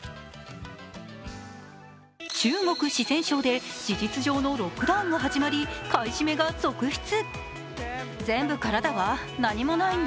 中国・四川省で事実上のロックダウンが始まり買い占めが続出。